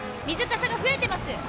水かさが増えてます。